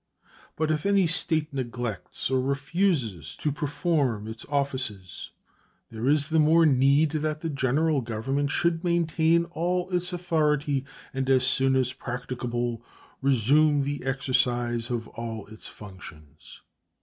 But if any State neglects or refuses to perform its offices there is the more need that the General Government should maintain all its authority and as soon as practicable resume the exercise of all its functions.